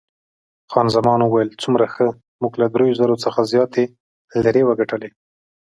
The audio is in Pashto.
خان زمان وویل، څومره ښه، موږ له دریو زرو څخه زیاتې لیرې وګټلې.